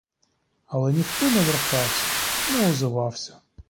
Але ніхто не вертався, не озивався.